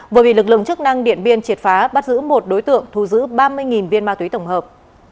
vừa bị lực lượng chức năng điện biên triệt phá bắt giữ một đối tượng thu giữ ba mươi viên ma túy tổng hợp